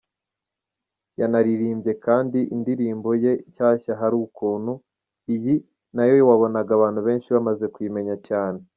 Yanaririmbye kandi indirimbo ye nshyashya Hari Ukuntu, iyi nayo wabonaga benshi bamaze kuyimenya cyane.